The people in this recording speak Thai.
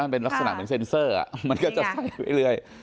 เป็นลักษณะเหมือนเซ็นเซอร์